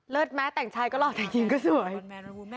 เลิศไหมแต่งชายก็หล่อแต่งหญิงก็สวย